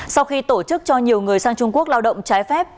sau khi tổ chức cho nhiều người sang trung quốc lao động trái phép